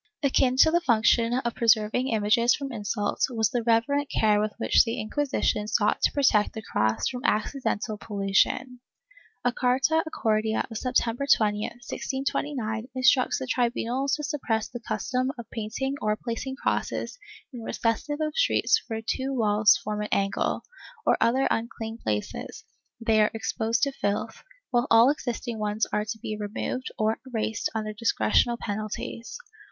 Akin to the function of preserving images from insult, was the reverent care with which the Inquisition sought to protect the cross from accidental pollution. A carta acordada of September 20, 1629, instructs the tribunals to suppress the custom of painting or placing crosses in recesses of streets or where two walls form an angle, or other unclean places, where they are exposed to filth, while all existing ones are to be removed or erased under dis cretional penalties.